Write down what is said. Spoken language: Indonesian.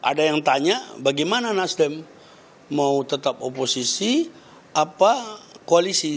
ada yang tanya bagaimana nasdem mau tetap oposisi apa koalisi